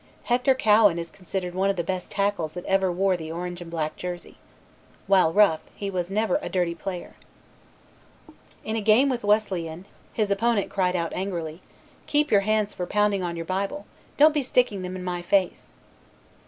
Hector Cowan is considered one of the best tackles that ever wore the Orange and Black jersey. While rough, he was never a dirty player. In a game with Wesleyan, his opponent cried out angrily, "Keep your hands for pounding on your Bible, don't be sticking them in my face."